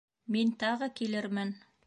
Мин тағы килермен.